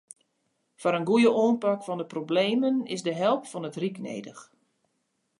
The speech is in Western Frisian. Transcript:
Foar in goeie oanpak fan de problemen is de help fan it ryk nedich.